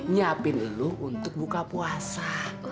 nyiapin lu untuk buka puasa